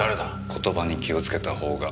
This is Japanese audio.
言葉に気をつけたほうが。